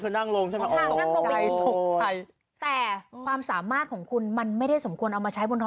มือนึงถือไม่รู้น้ำด้วยหรอ